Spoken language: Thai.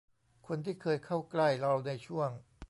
คนที่เคยเข้าใกล้เราในช่วง